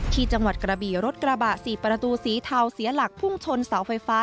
ที่จังหวัดกระบี่รถกระบะ๔ประตูสีเทาเสียหลักพุ่งชนเสาไฟฟ้า